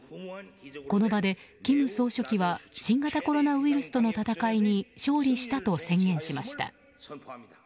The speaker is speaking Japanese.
この場で金総書記は新型コロナウイルスとの闘いに勝利したと宣言しました。